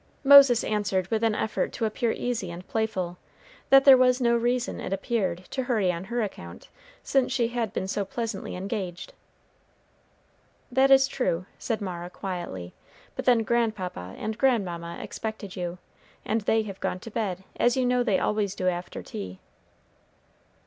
Moses answered with an effort to appear easy and playful, that there was no reason, it appeared, to hurry on her account, since she had been so pleasantly engaged. "That is true," said Mara, quietly; "but then grandpapa and grandmamma expected you, and they have gone to bed, as you know they always do after tea."